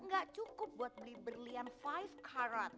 gak cukup buat beli berlian five carat